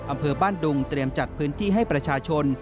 อำเภอบ้านดุงเตรียมจัดพื้นที่ให้ประชาชน